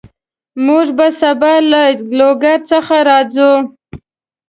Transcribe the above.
موږ به سبا له لوګر څخه راځو